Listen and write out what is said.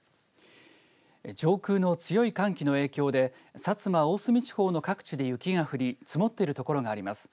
上空の強い寒気の影響で薩摩大隅地方の各地で雪が降り積もっている所があります。